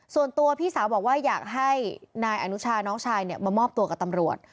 ส่วนตัวพี่สาวบอกว่าอยากให้นายอนุชาน้องชายมามอบตัวกับตำรวจ